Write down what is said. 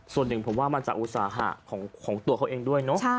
ส่วนหนึ่งผมว่ามันจากอุตสาหะของตัวเขาเองด้วยเนอะ